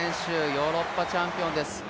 ヨーロッパチャンピオンです。